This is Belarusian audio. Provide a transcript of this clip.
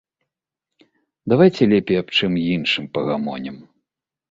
Давайце лепей аб чым іншым пагамонім.